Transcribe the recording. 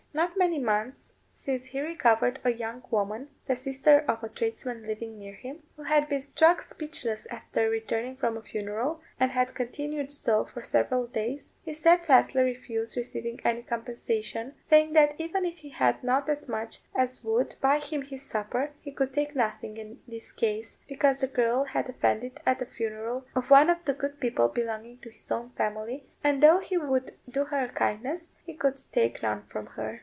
Not many months since he recovered a young woman (the sister of a tradesman living near him), who had been struck speechless after returning from a funeral, and had continued so for several days. He steadfastly refused receiving any compensation, saying that even if he had not as much as would buy him his supper, he could take nothing in this case, because the girl had offended at the funeral of one of the good people belonging to his own family, and though he would do her a kindness, he could take none from her.